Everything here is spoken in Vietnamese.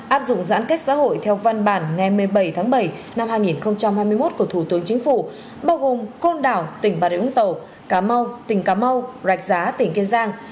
áp dụng giãn cách xã hội theo văn bản ngày một mươi bảy tháng bảy năm hai nghìn hai mươi một của thủ tướng chính phủ bao gồm côn đảo tỉnh bà rịa úng tàu cá mau tỉnh cà mau rạch giá tỉnh kiên giang